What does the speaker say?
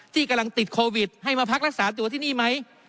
ที่กำลังติดโควิดให้มาพักรักษาตัวที่นี่ไหม